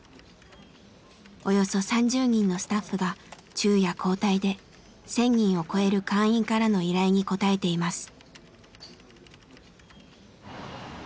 およそ３０人のスタッフが昼夜交代で１，０００人を超える会員からの依頼に応えています。